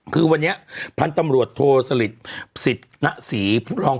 คือวันนี้พันธุ์ตำรวจโทษศริษฐ์สิทธิ์หน้าศรีพุทธรอง